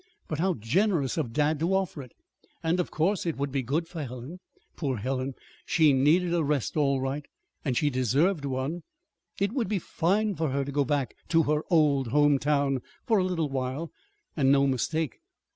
But how generous of dad to offer it and of course it would be good for Helen. Poor Helen! She needed a rest, all right, and she deserved one. It would be fine for her to go back to her old home town for a little while, and no mistake.